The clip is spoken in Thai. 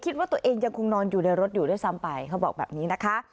คิดว่าตัวเองยังคงนอนอยู่ในรถอยู่ด้วยซ้ำไปเขาบอกแบบนี้นะคะ